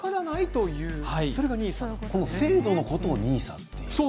この制度のことをＮＩＳＡというの？